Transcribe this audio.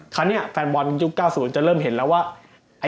แฟนบอลยุค๙๐จะเริ่มเห็นแล้วว่า